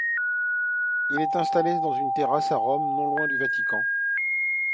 Il est installé dans une terrasse à Rome, non loin du Vatican.